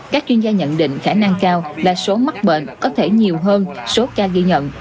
các chuyên gia nhận định khả năng cao là số mắc bệnh có thể nhiều hơn số ca ghi nhận